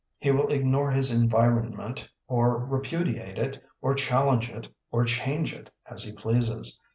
He will ignore his environment, or repudiate it, or challenge it, or change it, as he pleases.